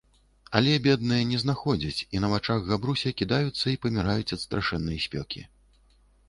Але, бедныя, не знаходзяць i на вачах Габруся кiдаюцца i памiраюць ад страшэннай спёкi...